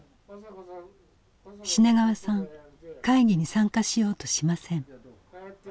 品川さん会議に参加しようとしません。